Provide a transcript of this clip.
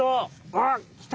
あっきた！